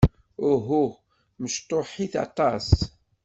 Uhu. Mecṭuḥit aṭas.